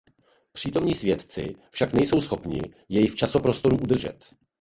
Přítomní vědci však nejsou schopni jej v časoprostoru udržet.